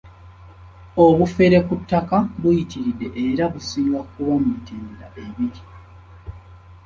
Obufere ku ttaka buyitiridde era businga kuba mu mitendera ebiri.